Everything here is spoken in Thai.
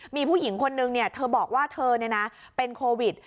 มีผู้หญิงคนนึงเธอบอกว่าเธอเป็นโควิด